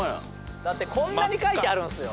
だってこんなに書いてあるんすよ。